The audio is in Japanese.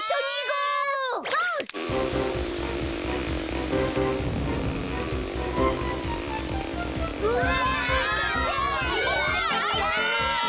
うわ。